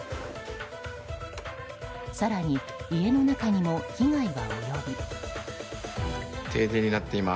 更に、家の中にも被害はおよび。